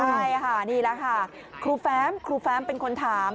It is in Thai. ใช่ค่ะนี่แหละค่ะครูแฟ้มครูแฟ้มเป็นคนถาม